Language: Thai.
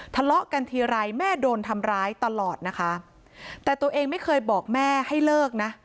ทะเลาะกันทีไรแม่โดนทำร้ายตลอดนะคะแต่ตัวเองไม่เคยบอกแม่ให้เลิกนะ